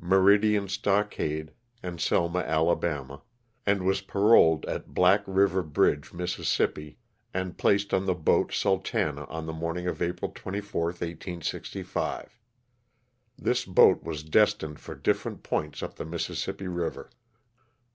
Meridian Stockade and Selma, Ala., and was paroled at Black Eiver Bridge, Miss., and placed on the boat " Sultana" on the morning of April 34, 1865. This boat was destined for different points up the Mississippi river.